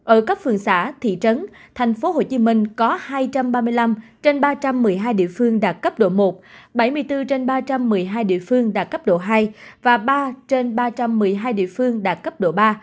ở cấp phường xã thị trấn tp hcm có hai trăm ba mươi năm trên ba trăm một mươi hai địa phương đạt cấp độ một bảy mươi bốn trên ba trăm một mươi hai địa phương đạt cấp độ hai và ba trên ba trăm một mươi hai địa phương đạt cấp độ ba